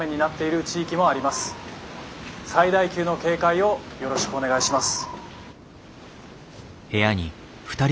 最大級の警戒をよろしくお願いします」。